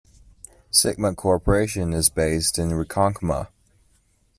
Sigma Corporation is based in Ronkonkoma.